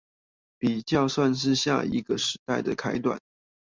比較算是下一個時代的開段